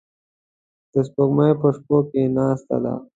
د سپوږمۍ په شپو کې ناسته ده